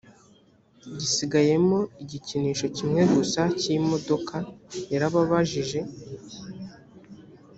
gisigayemo igikinisho kimwe gusa cy imodoka yarababajije